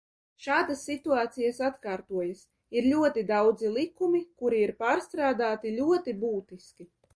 Šādas situācijas atkārtojas, ir daudzi likumi, kuri ir pārstrādāti ļoti būtiski.